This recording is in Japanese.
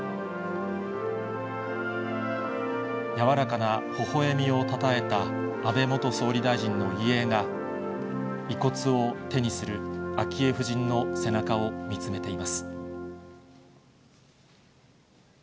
柔らかなほほえみをたたえた安倍元総理大臣の遺影が、遺骨を手にする昭恵夫人の背中を見つめています。